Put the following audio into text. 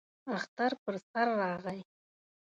اختر پر سر راغی.